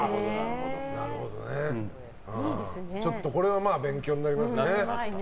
なるほどねちょっとこれは勉強になりますね。